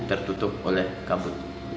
tertutup oleh kabut